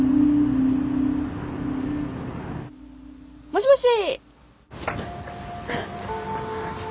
もしもし。